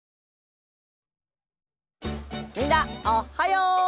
みんなおっはよう！